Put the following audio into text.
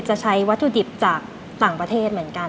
จะใช้วัตถุดิบจากต่างประเทศเหมือนกัน